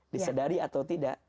bisa dari atau tidak